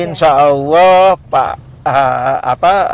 insya allah pak